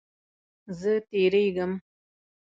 زه تیریږم